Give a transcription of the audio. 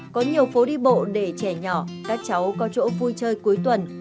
có nhiều phố đi bộ để trẻ nhỏ các cháu có chỗ vui chơi cuối tuần